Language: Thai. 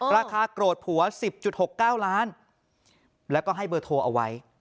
ราคาโกรธผัว๑๐๖๙ล้านแล้วก็ให้เบอร์โทรเอาไว้